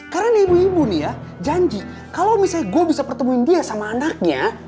karena nih ibu ibu nih ya janji kalo misalnya gue bisa pertemuin dia sama anaknya